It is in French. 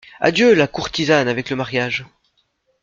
Adieu la courtisane avec le mariage !